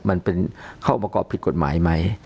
มันเป็นเข้าอุปกรณ์ผิดกฎหมายใหม่